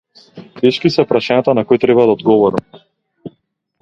Тешки се прашањата на кои треба да одговорам.